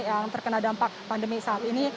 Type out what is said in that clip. yang terkena dampak pandemi saat ini